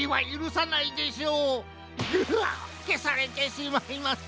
ううっけされてしまいます。